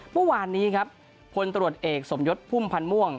เมื่อวานนี้ครับพลตรวจเอกสมยศพุ่มพันธ์ม่วง